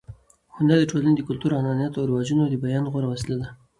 هنر د ټولنې د کلتور، عنعناتو او رواجونو د بیان غوره وسیله ده.